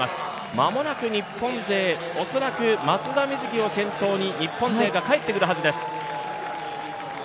間もなく日本勢、恐らく松田瑞生を先頭に日本勢が帰ってくるはずです。